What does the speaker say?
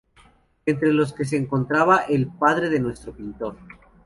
Entre los que se encontraba el padre de nuestro pintor.